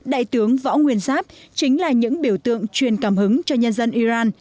đại tướng võ nguyên giáp chính là những biểu tượng truyền cảm hứng cho nhân dân iran